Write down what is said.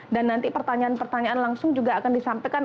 dan nanti pertanyaan pertanyaan langsung juga akan disampaikan